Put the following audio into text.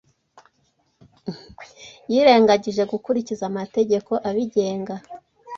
yirengagije gukurikiza amategeko abigenga